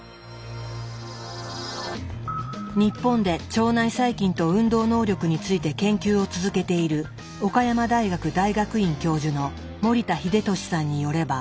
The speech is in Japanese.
日本で腸内細菌と運動能力について研究を続けている岡山大学大学院教授の森田英利さんによれば。